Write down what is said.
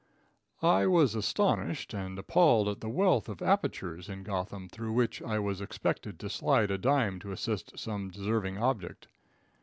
I was astonished and appalled at the wealth of apertures in Gotham through which I was expected to slide a dime to assist some deserving object.